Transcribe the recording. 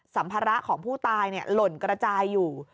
สัมภาระของผู้ตายหล่นกระจายอยู่